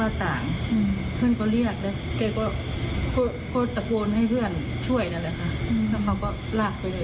อืมเพื่อนก็เขาก็ช่วยไม่ได้เนอะณตอนนี้ก็ยังทูทูหา